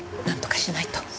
なんとかしないと。